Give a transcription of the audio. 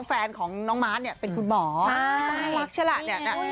แฟนของน้องมาสเนี่ยเป็นคุณหมอต้องน่ารักใช่หรอเนี่ยน่ารัก